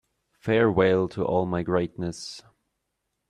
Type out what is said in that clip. Farewell to all my greatness